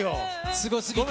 すごすぎて。